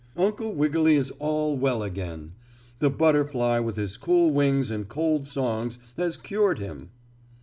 Uncle Wiggily is all well again. The butterfly with his cool wings and cold songs has cured him."